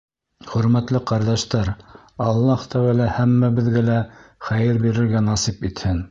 Хөрмәтле ҡәрҙәштәр, Аллаһ Тәғәлә һәммәбеҙгә лә хәйер бирергә насип итһен.